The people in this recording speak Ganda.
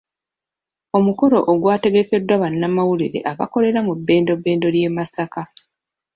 Omukolo ogwategekeddwa bannamawulire abakolera mu bbendobendo ly'e Masaka .